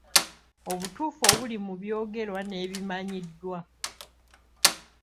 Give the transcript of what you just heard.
Obutuufu obuli mu byogerwa n'ebimannyiddwa?